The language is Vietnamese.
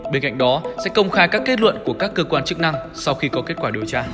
bên cạnh đó sẽ công khai các kết luận của các cơ quan chức năng sau khi có kết quả điều tra